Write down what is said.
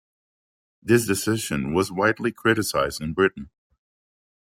This decision was widely criticized in Britain.